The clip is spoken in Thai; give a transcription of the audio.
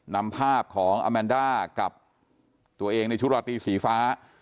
นำภาพของอาแมนด้ากับตัวเองในชุดราตีสีฟ้า